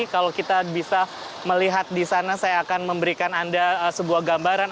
kalau kita bisa melihat di sana saya akan memberikan anda sebuah gambaran